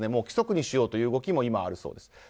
規則にしようという動きもあるそうです。